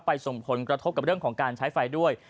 ส่งผลกระทบกับเรื่องของการใช้ไฟด้วย